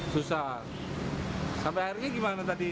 susah sampai akhirnya gimana tadi